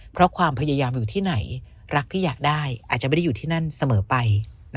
เพราะความพยายามอยู่ที่ไหนรักที่อยากได้อาจจะไม่ได้อยู่ที่นั่นเสมอไป